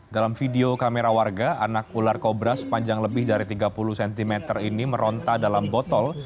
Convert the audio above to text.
dalam video kamera warga anak ular kobra sepanjang lebih dari tiga puluh cm ini meronta dalam botol